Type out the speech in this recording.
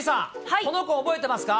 この子、覚えてますか？